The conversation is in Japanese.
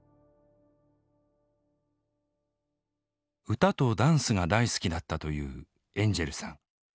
歌とダンスが大好きだったというエンジェルさん。